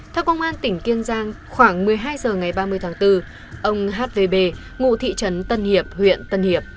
theo công an tỉnh kiên giang khoảng một mươi hai h ngày ba mươi tháng bốn ông hvb ngụ thị trấn tân hiệp huyện tân hiệp